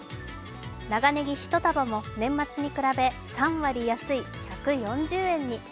長ねぎ１束も年末に比べ３割安い１４０円に。